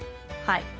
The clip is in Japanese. はい。